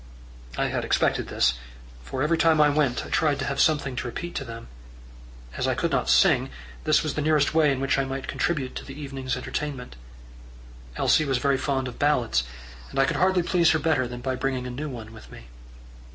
I had expected this; for, every time I went, I tried to have something to repeat to them. As I could not sing, this was the nearest way in which I might contribute to the evening's entertainment. Elsie was very fond of ballads, and I could hardly please her better than by bringing a new one with me.